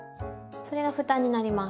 それが蓋になります。